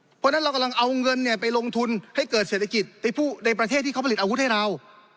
เพราะฉะนั้นเรากำลังเอาเงินไปลงทุนให้เกิดเศรษฐกิจในประเทศที่เขาผลิตอาวุธให้เรา